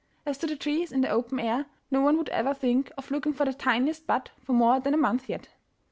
As to the trees in the open air, no one would ever think of looking for the tiniest bud for more than a month yet.